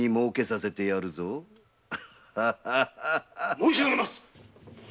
申しあげます。